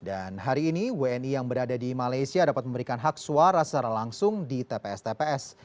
dan hari ini wni yang berada di malaysia dapat memberikan hak suara secara langsung di tps tps